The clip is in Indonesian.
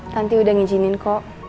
tanti udah ngijinin kok